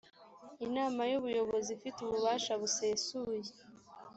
inama y;ubuyobozi ifite ububasha busesuye